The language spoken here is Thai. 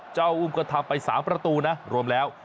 อุ้มก็ทำไป๓ประตูนะรวมแล้ว